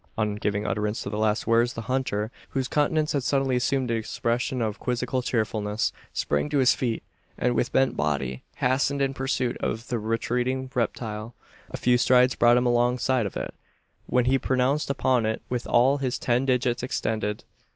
On giving utterance to the last words, the hunter whose countenance had suddenly assumed an expression of quizzical cheerfulness sprang to his feet; and, with bent body, hastened in pursuit of the retreating reptile. A few strides brought him alongside of it; when he pounced upon it with all his ten digits extended.